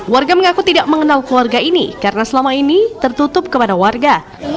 warga mengaku tidak mengenal keluarga ini karena selama ini tertutup kepada warga